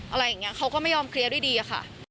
อะไรอย่างนี้เขาก็ไม่ยอมเคลียร์ด้วยดีอะค่ะ